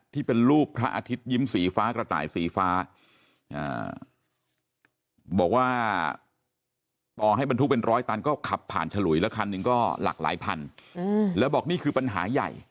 ที่เป็นรูปพระอาทิตยิ้มสีฟ้ากระต่ายสีฟ้า